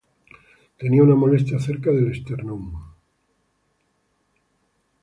Tenía una molestia cerca del esternón.